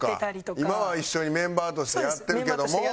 そっか今は一緒にメンバーとしてやってるけども。